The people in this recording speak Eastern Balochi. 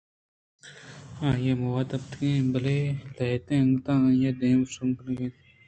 آئی ءِ مود بُتکگ اِت اَنت بلئے لہتیں انگتءَ آئی ءِ دیم ءَ شنگ اِت اَنت